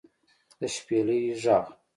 د شپېلۍ غږ